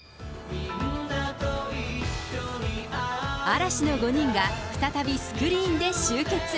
嵐の５人が再びスクリーンで集結。